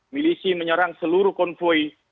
milisi menyerang seluruh konvoy